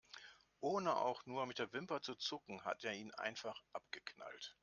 Ohne auch nur mit der Wimper zu zucken, hat er ihn einfach abgeknallt.